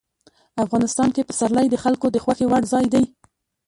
افغانستان کې پسرلی د خلکو د خوښې وړ ځای دی.